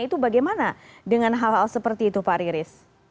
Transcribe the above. itu bagaimana dengan hal hal seperti itu pak riris